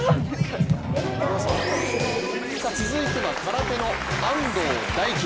続いては空手の安藤大騎。